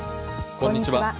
こんにちは。